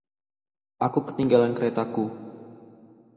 Aku ketinggalan keretaku.